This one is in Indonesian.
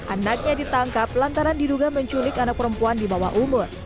anaknya ditangkap lantaran diduga menculik anak perempuan di bawah umur